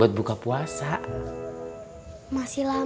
buat buka puasa